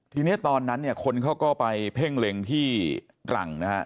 ทีนี้ตอนนั้นคนเขาก็ไปเพ่งเหลงที่หลังนะครับ